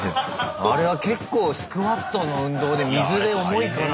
あれは結構スクワットの運動で水で重いから。